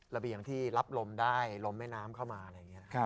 ระเบียงที่รับลมได้ลมแม่น้ำเข้ามาอะไรอย่างนี้